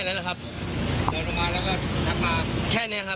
มันเรื่องอะไรอ่ะพอเข้ามานานเข้ามาเลาะกันเรื่องอะไร